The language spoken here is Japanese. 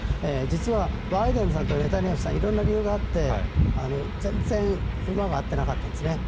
実はバイデンさんとネタニヤフさん色んな理由があって全然馬が合ってなかったんですね。